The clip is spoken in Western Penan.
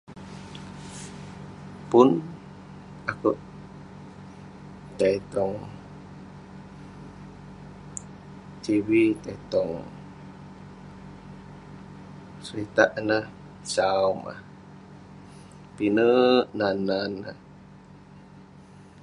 Pun akouk tai tong tv, tai tong seritak ineh sau mah. Pinek nan nan neh.